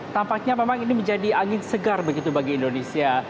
tampaknya memang ini menjadi angin segar begitu bagi indonesia